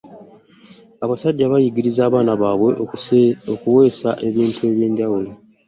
Abasajja baayigiriza abaana baffe okuweesa ebintu eby'enjawulo.